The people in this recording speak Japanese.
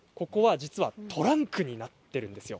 実はトランクになっているんですよ。